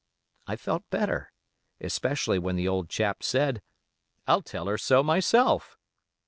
I felt better, especially when the old chap said, 'I'll tell her so myself.